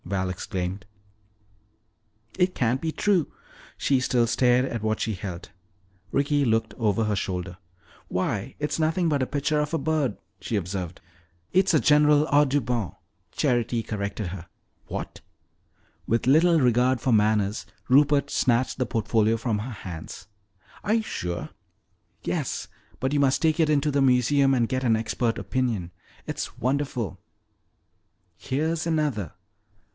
Val exclaimed. "It can't be true!" She still stared at what she held. Ricky looked over her shoulder. "Why, it's nothing but a picture of a bird," she observed. "It's a genuine Audubon," Charity corrected her. [Illustration: "It's a genuine Audubon," Charity said.] "What!" With little regard for manners, Rupert snatched the portfolio from her hands. "Are you sure?" "Yes. But you must take it in to the museum and get an expert opinion. It's wonderful!" "Here's another."